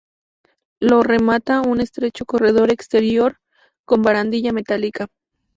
Lo remata un estrecho corredor exterior con barandilla metálica.